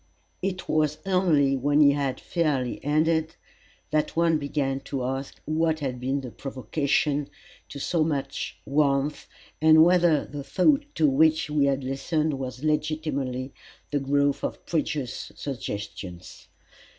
It was only when he had fairly ended that one began to ask what had been the provocation to so much warmth, and whether the thought to which we had listened was legitimately the growth of previous suggestions.